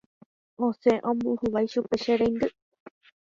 Osẽ ombohovái chupe che reindy